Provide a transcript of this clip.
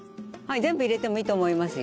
全部入れてもいいと思いますよ